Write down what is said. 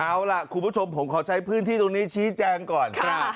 เอาล่ะคุณผู้ชมขอใช้ซัดเฉียบพื้นที่จรุงนี้ชี้แจงก่อนค่ะคือ